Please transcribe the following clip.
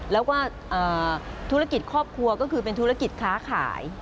แล้วก็ธุรกิจครอบครัวก็คือเป็นธุรกิจค้าขาย